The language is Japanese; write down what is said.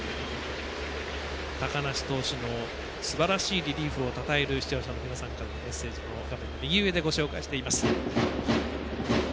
高梨投手のすばらしいリリーフをたたえる視聴者の皆さんからのメッセージも右上でご紹介しています。